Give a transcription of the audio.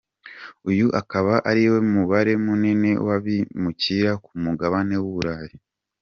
Uyu ukaba ari wo mubare munini w’abimukira ku mugabane w’u Burayi.